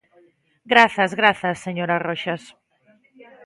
Grazas, grazas, señora Roxas.